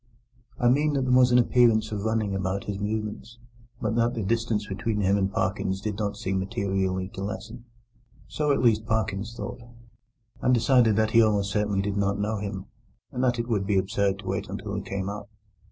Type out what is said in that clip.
I mean that there was an appearance of running about his movements, but that the distance between him and Parkins did not seem materially to lessen. So, at least, Parkins thought, and decided that he almost certainly did not know him, and that it would be absurd to wait until he came up.